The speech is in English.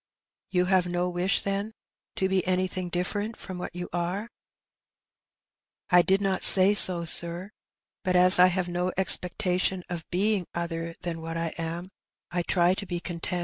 " You have no wish, then, to be anything different from what you are ?" "I did not say so, sir; but as I have no expectation of being other than what I am, I try to be content.